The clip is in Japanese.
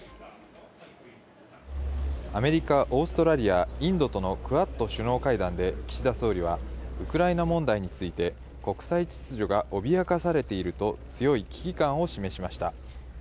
アメリカ、オーストラリア、インドとのクアッド首脳会談で岸田総理は、ウクライナ問題について、国際秩序が脅かされていると、強い危機感を示しました。